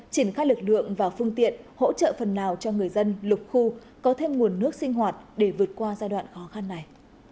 triển khai lực lượng và phương tiện hỗ trợ phần nào cho người dân lục khu có thêm nguồn nước sinh hoạt để vượt qua giai đoạn khó khăn này